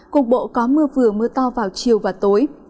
cục bộ có mưa vừa mưa to vào chiều và tối